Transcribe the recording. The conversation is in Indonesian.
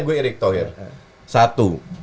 gue erik thohir satu